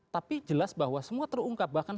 tapi jelas bahwa semua terungkap bahkan